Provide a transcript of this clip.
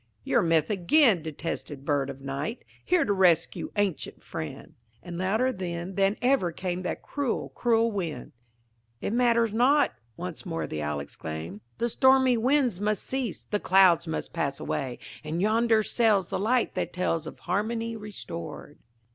"Your myth again, detested Bird of Night! Here to the rescue, ancient friend!" And louder then than ever came that cruel, cruel wind. "It matters not," once more the Owl exclaimed. "The stormy winds must cease, the clouds must pass away, and yonder sails the light that tells of harmony restored."